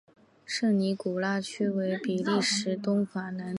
圣尼古拉区为比利时东法兰德斯省辖下的一个区。